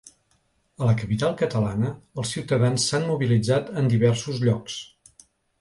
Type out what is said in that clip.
A la capital catalana, els ciutadans s’han mobilitzat en diversos llocs.